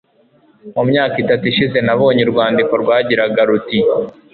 Mu myaka itatu ishize nabonye urwandiko rwagiraga ruti